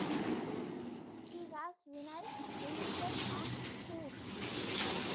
He has vinyl releases on kool.